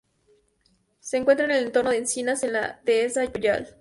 Se encuentra en un entorno de encinas, en la dehesa boyal.